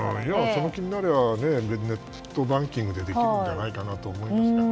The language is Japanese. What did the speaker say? その気になれば別にネットバンキングでできるんじゃないかと思いますから。